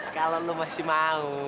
kalau lo masih mau